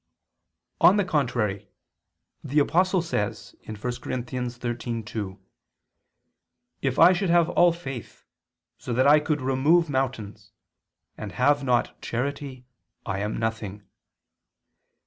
On the contrary, The Apostle says (1 Cor. 13:2): "If I should have all faith, so that I could remove mountains, and have not charity, I am nothing."